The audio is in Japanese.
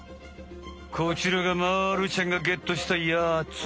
こちらがまるちゃんがゲットしたやつ。